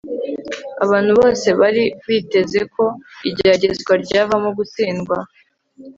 abantu bose bari biteze ko igeragezwa ryavamo gutsindwa